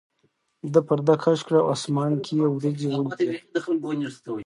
ده پرده کش کړه او اسمان کې یې وریځې ولیدې.